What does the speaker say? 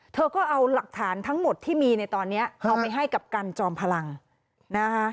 เธอก็เอาหลักฐานทั้งหมดที่มีในตอนนี้เอาไปให้กับกันจอมพลังนะคะ